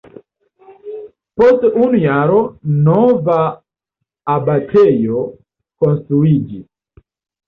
Post unu jaro nova abatejo konstruiĝis.